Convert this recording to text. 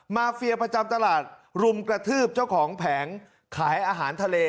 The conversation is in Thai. มาเฟียประจำตลาดรุมกระทืบเจ้าของแผงขายอาหารทะเล